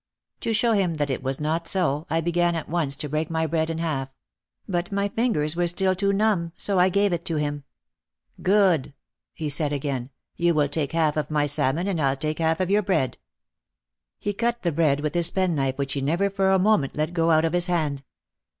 To show him that it was not so, I began at once to break my bread in half. But my fingers were still too numb so I gave it 120 OUT OF THE SHADOW to him. "Good!" he said again, "you will take half of my salmon and I'll take half of your bread." He cut the bread with his penknife which he never for a moment let go out of his hand.